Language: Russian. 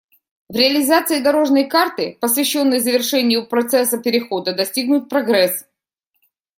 В реализации «дорожной карты», посвященной завершению процесса перехода, достигнут прогресс.